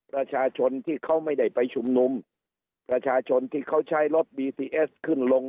ประชาชนที่เขาไม่ได้ไปชุมนุมประชาชนที่เขาใช้รถบีทีเอสขึ้นลง